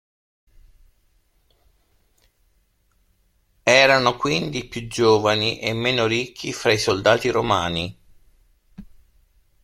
Erano quindi i più giovani e meno ricchi fra i soldati romani.